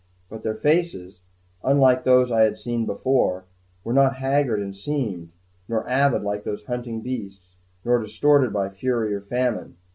But their faces, unlike those which I had seen before, were not haggard and seamed, nor avid like those of hunting beasts, nor distorted by fury or famine.